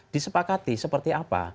disepakati seperti apa